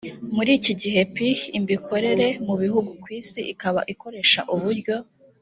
muri iki gihe pih imb ikorera mu bihugu ku isi ikaba ikoresha uburyo